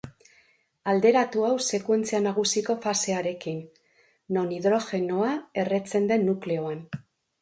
Alderatu hau sekuentzia nagusiko fasearekin, non hidrogenoa erretzen den nukleoan.